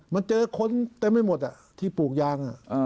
มาเจอคนเต็มไปหมดที่ปลูกยาง